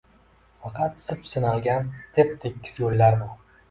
Faqat sip-sinalgan tep-tekis yo‘llar u.